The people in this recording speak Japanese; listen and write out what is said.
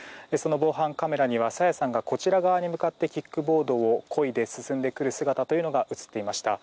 防犯カメラには朝芽さんがこちら側に向かってキックボードをこいで進んでくる姿が映っていました。